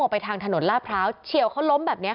กระทั่งตำรวจก็มาด้วยนะคะ